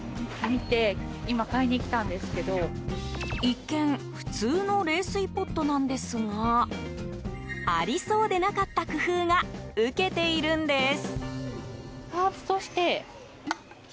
一見普通の冷水ポットなんですがありそうでなかった工夫がウケているんです。